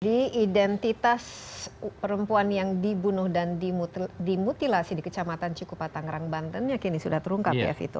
jadi identitas perempuan yang dibunuh dan dimutilasi di kecamatan cikupa tangerang banten yakini sudah terungkap ya vito